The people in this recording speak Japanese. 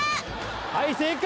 はい正解！